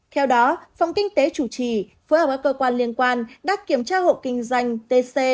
theo đó phòng kinh tế chủ trì phối hợp với cơ quan liên quan đã kiểm tra hộ kinh doanh tc